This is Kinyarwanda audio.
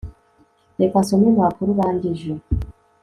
Reka nsome impapuro urangije